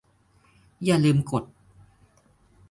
อย่าลืมกด